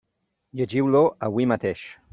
Llegiu-lo avui mateix!